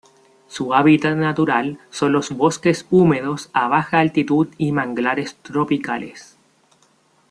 Su hábitat natural son los bosques húmedos a baja altitud y manglares tropicales.